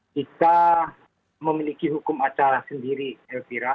kita memiliki hukum acara sendiri elvira